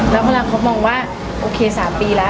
แล้วเมื่อเขามองว่าโอเค๓ปีแล้วขอดีกว่า